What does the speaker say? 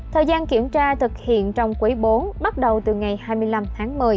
thời gian kiểm tra thực hiện trong quý bốn bắt đầu từ ngày hai mươi năm tháng một mươi